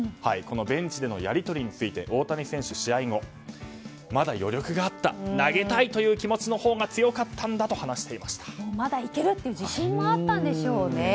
ベンチでのやり取りについて大谷選手、試合後まだ余力があった投げたいという気持ちのほうが強かったとまだいけるという自信もあったんでしょうね。